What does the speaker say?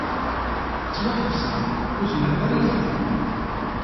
Ttwaḥebseɣ, ur zmireɣ ara ad ffɣeɣ.